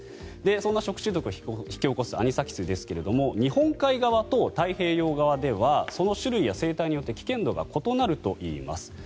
そんな食中毒を引き起こすアニサキスですが日本海側と太平洋側ではその種類や生態によって危険度が異なるといいます。